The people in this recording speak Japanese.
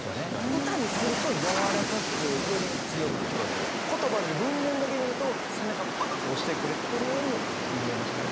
歌にするとやわらかくより強く聞こえるけど言葉だけ文面だけ見ると背中バンって押してくれてるように見えましたね。